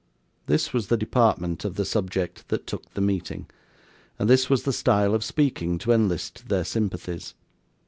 This was the department of the subject that took the meeting, and this was the style of speaking to enlist their sympathies.